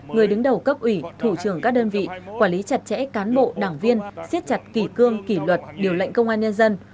người đứng đầu cấp ủy thủ trưởng các đơn vị quản lý chặt chẽ cán bộ đảng viên siết chặt kỷ cương kỷ luật điều lệnh công an nhân dân